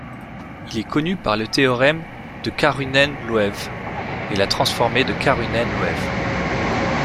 Il est connu par le théorème de Karhunen-Loève et la transformée de Karhunen-Loève.